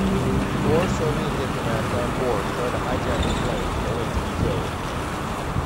Four Soviet diplomats on board try to hijack the plane, only to be killed.